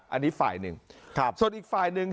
อันนี้ฝ่ายหนึ่งส่วนอีกฝ่ายหนึ่ง